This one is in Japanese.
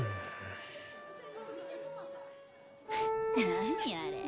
・何あれ？